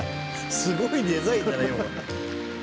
「すごいデザインだね」